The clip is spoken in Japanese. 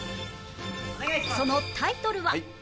そのタイトルは